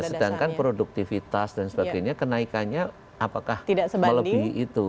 sedangkan produktivitas dan sebagainya kenaikannya apakah melebihi itu